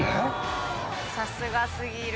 さすが過ぎる。